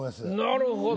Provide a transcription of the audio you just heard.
なるほど。